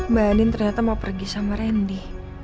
mbak anin ternyata mau pergi sama randy